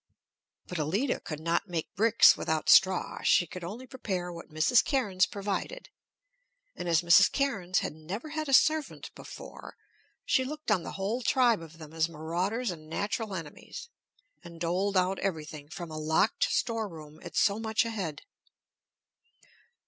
But Allida could not make bricks without straw; she could only prepare what Mrs. Cairnes provided, and as Mrs. Cairnes had never had a servant before, she looked on the whole tribe of them as marauders and natural enemies, and doled out everything from a locked store room at so much a head.